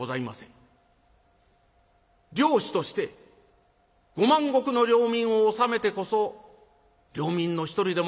領主として５万石の領民を治めてこそ領民の一人でもございます